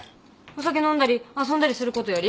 お酒飲んだり遊んだりすることより？